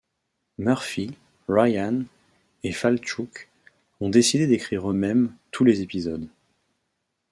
Murphy, Ryan et Falchuk ont décidé d'écrire eux-mêmes tous les épisodes.